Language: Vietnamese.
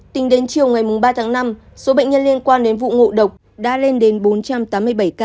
tính đến chiều ngày ba tháng năm số bệnh nhân liên quan đến vụ ngộ độc đã lên đến bốn trăm tám mươi bảy ca